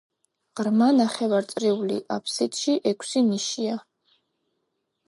ღრმა ნახევარწრიულ აფსიდში ექვსი ნიშია.